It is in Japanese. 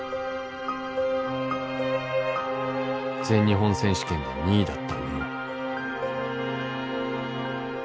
全日本選手権で２位だった宇野。